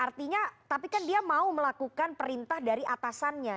artinya tapi kan dia mau melakukan perintah dari atasannya